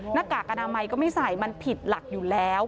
หน้ากากอนามัยก็ไม่ใส่มันผิดหลักอยู่แล้ว